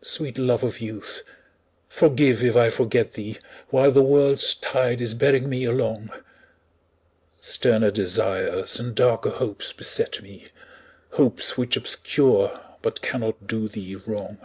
Sweet love of youth, forgive if I forget thee While the world's tide is bearing me along; Sterner desires and darker hopes beset me, Hopes which obscure but cannot do thee wrong.